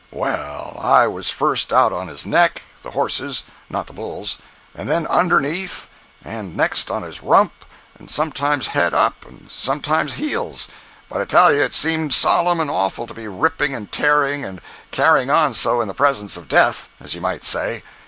Well, I was first out on his neck—the horse's, not the bull's—and then underneath, and next on his rump, and sometimes head up, and sometimes heels—but I tell you it seemed solemn and awful to be ripping and tearing and carrying on so in the presence of death, as you might say.